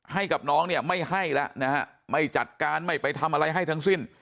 ให้กับน้องเนี่ยไม่ให้แล้วนะฮะไม่จัดการไม่ไปทำอะไรให้ทั้งสิ้น